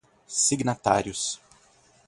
signatários